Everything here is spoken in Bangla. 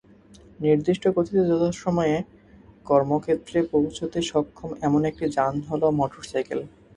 নির্দিষ্ট গতিতে যথাসময়ে কর্মক্ষেত্রে পৌঁছতে সক্ষম এমন একটি যান হলো মোটরসাইকেল।